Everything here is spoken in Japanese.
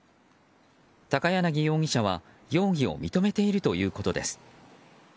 タカヤナギ容疑者は容疑を認めているということです。